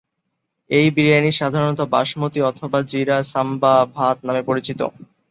এই বিরিয়ানি সাধারণত বাসমতী অথবা জিরা সাম্বা ভাত নামে পরিচিত।